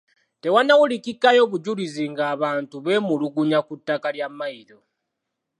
Tewannawulikikayo bujulizi nga abantu beemulugunya ku ttaka lya mmayiro.